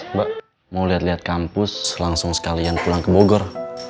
mbak mau lihat lihat kampus langsung sekalian pulang ke bogor